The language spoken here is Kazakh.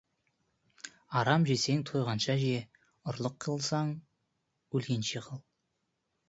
Арам жесең, тойғанша же, ұрлық қылсаң, өлгенше қыл.